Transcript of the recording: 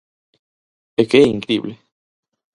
É que é incrible.